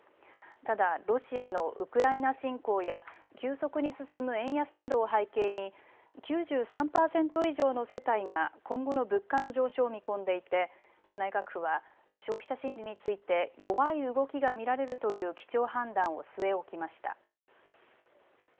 ただロシアのウクライナ侵攻や急速に進む円安などを背景に９３％以上の世帯が今後の物価の上昇を見込んでいて内閣府は消費者心理について弱い動きが見られるという基調判断を据え置きました。